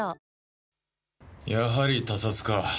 やはり他殺か。